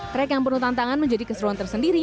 track yang penuh tantangan menjadi keseruan tersendiri